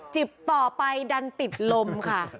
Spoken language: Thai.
ต่อไปดันติดลมค่ะ